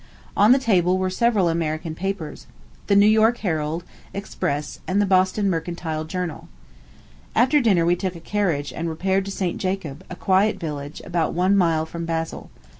On the table were several American papers the New York Herald, Express, and the Boston Mercantile Journal. After dinner we took a carriage and repaired to St. Jacob, a quiet village, about one mile from Basle.